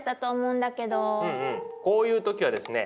こういう時はですね